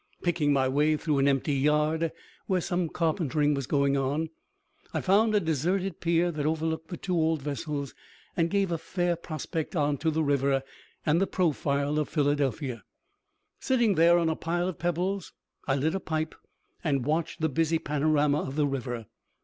Picking my way through an empty yard where some carpentering was going on, I found a deserted pier that overlooked the two old vessels and gave a fair prospect on to the river and the profile of Philadelphia. Sitting there on a pile of pebbles, I lit a pipe and watched the busy panorama of the river.